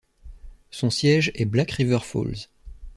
Son siège est Black River Falls.